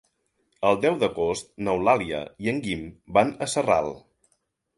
El deu d'agost n'Eulàlia i en Guim van a Sarral.